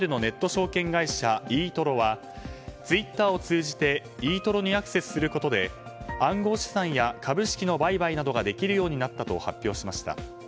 証券会社イートロはツイッターを通じてイートロにアクセスすることで暗号資産や株式の売買などができるようになったと発表しました。